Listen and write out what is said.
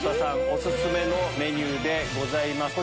お薦めのメニューでございます。